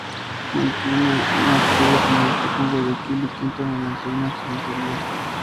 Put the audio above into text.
Mantiene un activo comercio con Guayaquil y Quito, mediante una excelente vía.